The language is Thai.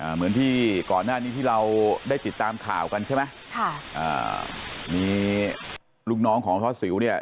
เหมือนที่ก่อนหน้านี้ที่เราได้ติดตามข่าวกันใช่ไหมค่ะอ่ามีลูกน้องของทอดสิวเนี่ย